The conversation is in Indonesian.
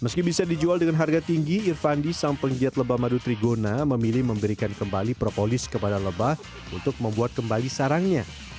meski bisa dijual dengan harga tinggi irfandi sang penggiat lebah madu trigona memilih memberikan kembali propolis kepada lebah untuk membuat kembali sarangnya